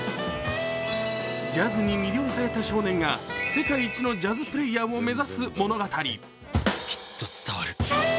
ジャズに魅了された少年が世界一のジャズプレーヤーを目指す物語。